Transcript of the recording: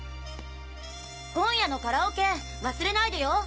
今夜のカラオケ忘れないでよ。